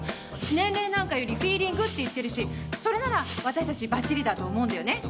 年齢なんかよりフィーリングって言ってるしそれなら、私たちばっちりだと思うんだよね。